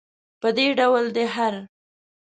په دې ډول دی هر.